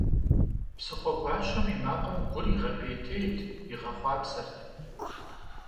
Псыхъуэгуащэм и макъым гур игъэпӏейтейт, игъэхъупсэрт.